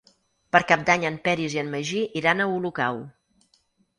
Per Cap d'Any en Peris i en Magí iran a Olocau.